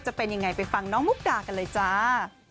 จะเป็นยังไงไปฟังน้องมุกดากันเลยจ้า